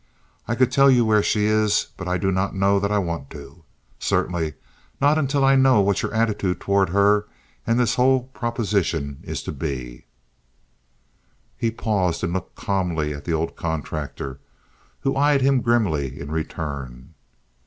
I could tell you where she is, but I do not know that I want to. Certainly not until I know what your attitude toward her and this whole proposition is to be." He paused and looked calmly at the old contractor, who eyed him grimly in return.